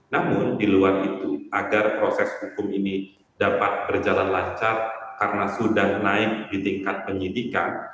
namun di luar itu agar proses hukum ini dapat berjalan lancar karena sudah naik di tingkat penyidikan